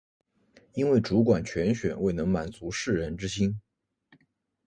因为主管铨选未能满足士人之心。